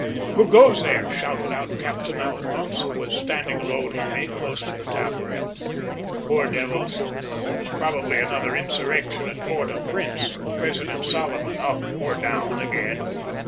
"`Who goes there?' shouted out Captain Alphonse, who was standing alone with me, close to the taffrail. `Poor devils! there is probably another insurrection at Port au Prince, and President Salomon up or down again.